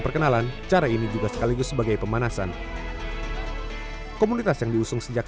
perkenalan cara ini juga sekaligus sebagai pemanasan komunitas yang diusung sejak